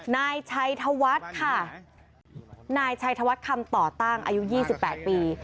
นายชัยธวัฒน์ค่ะนายชัยธวัฒน์คำต่อตั้งอายุ๒๘ปี